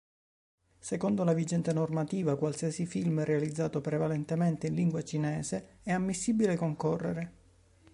Secondo la vigente normativa, qualsiasi film realizzato prevalentemente in lingua cinese è ammissibile concorrere.